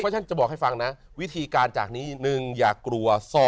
เพราะฉะนั้นจะบอกให้ฟังนะวิธีการจากนี้๑อย่ากลัว